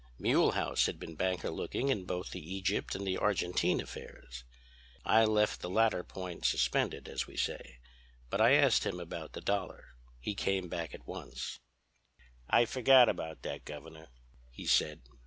Mulehaus had been banker looking in both the Egypt and the Argentine affairs. I left the latter point suspended, as we say. But I asked about the dollar. He came back at once. "'I forgot about that, Governor,' he said.